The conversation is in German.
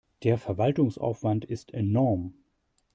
Der Verwaltungsaufwand ist enorm.